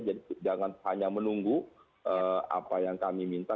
jadi jangan hanya menunggu apa yang kami minta